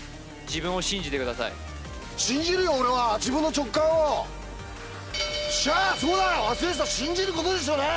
自分を信じてください信じるよ俺は自分の直感をシャーッそうだ忘れてた信じることですよね